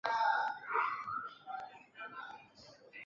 痢止蒿为唇形科筋骨草属下的一个种。